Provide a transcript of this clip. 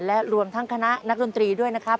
และรวมทั้งคณะนักดนตรีด้วยนะครับ